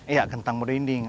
iya kentang modo inding